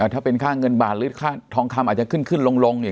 ถ้าเป็นค่าเงินบาทหรือค่าทองคำอาจจะขึ้นขึ้นลงเนี่ย